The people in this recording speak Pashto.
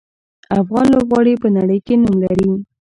افغان لوبغاړي په نړۍ کې نوم لري.